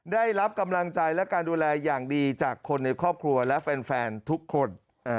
ได้รับกำลังใจและการดูแลอย่างดีจากคนในครอบครัวและแฟนทุกคน